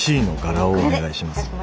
Ｃの柄をお願いします。